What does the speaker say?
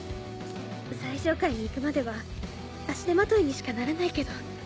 最上階に行くまでは足手まといにしかならないけど。